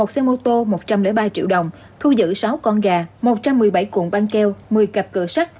một xe mô tô một trăm linh ba triệu đồng thu giữ sáu con gà một trăm một mươi bảy cuộn băng keo một mươi cặp cửa sắt